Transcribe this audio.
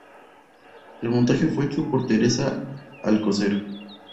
El montaje fue hecho por Teresa Alcocer.